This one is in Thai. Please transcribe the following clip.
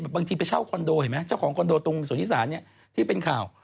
บางทีไปเช่าคอนโดเห็นไหมเจ้าของคอนโดตรงส่วนที่ศาลที่เป็นข่าว